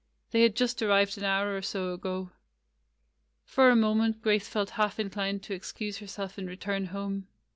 They had just arrived an hour or so ago. For a moment Grace felt half inclined to excuse herself and return home.